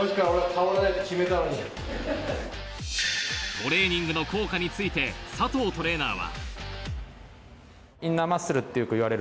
トレーニングの効果について、佐藤トレーナーは。